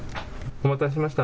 お待たせしました。